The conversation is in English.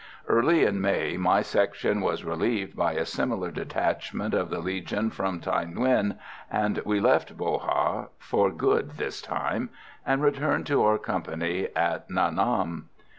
Early in May my section was relieved by a similar detachment of the Legion from Thaï Nguyen, and we left Bo Ha for good this time and returned to our company at Nha Nam.